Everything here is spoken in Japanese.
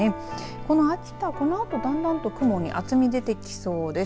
この秋田、このあとだんだんと雲に厚み出てきそうです。